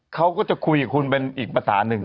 เขาก็จะคุยกับคุณเป็นอีกภาษาหนึ่ง